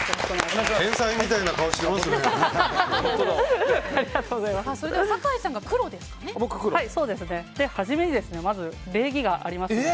天才みたいな顔してますね。